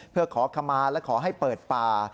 เพื่อขอขมาและขอให้เปิดป่า